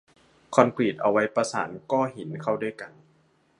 คอนกรีตเอาไว้ประสานก้อหินเข้าด้วยกัน